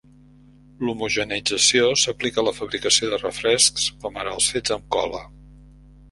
L'homogeneïtzació s'aplica a la fabricació de refrescs, com ara els fets amb cola.